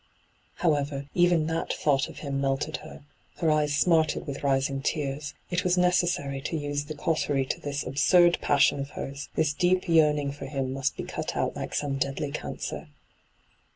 However, even that thought of Tiim melted her ; her eyes smarted with rising tears : it was necessary to use the cautery to this absurd passion of hers ; this deep yearning for him must be cut out like some deadly cancer.